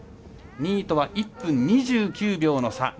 ２位とは１分２９秒の差。